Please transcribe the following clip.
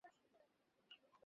তিনি পুনরায় সরকার গঠন করেন।